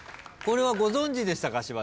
これはご存じでしたか？